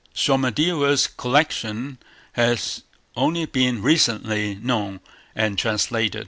Somadeva's collection has only been recently known and translated.